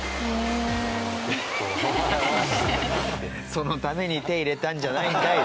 そのために手ぇ入れたんじゃないんかい。